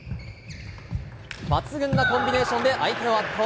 抜群なコンビネーションで相手を圧倒。